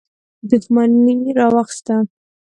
دښمني راواخیسته.